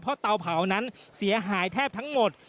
เพราะเตาเผานั้นเสียหายแทบทั้งหมด